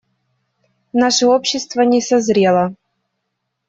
Наше общество не созрело.